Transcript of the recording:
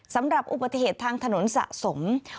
สำหรับอุบัติเหตุทางถนนสะสม